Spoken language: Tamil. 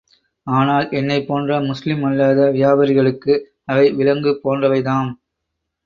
ஆனால் என்னைப் போன்ற முஸ்லிம் அல்லாத வியாபரிகளுக்கு அவை விலங்கு போன்றவைதாம்.